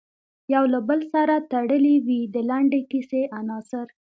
یو له بل سره تړلې وي د لنډې کیسې عناصر.